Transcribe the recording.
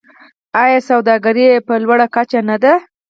آیا سوداګري یې په لوړه کچه نه ده؟